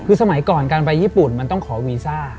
คือสมัยก่อนการไปญี่ปุ่นมันต้องขอวีซ่า